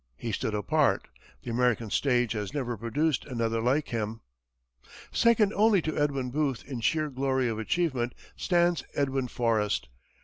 He stood apart. The American stage has never produced another like him. Second only to Edwin Booth in sheer glory of achievement stands Edwin Forrest.